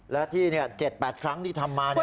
แล้วที่เนี่ย๗๘ครั้งที่ทำมาเนี่ย